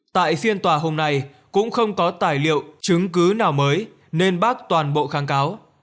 tại phiên tòa hôm nay cũng không có tài liệu chứng cứ nào mới nên bác toàn bộ kháng cáo